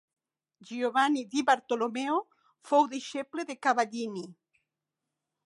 Giovanni di Bartolommeo fou deixeble de Cavallini.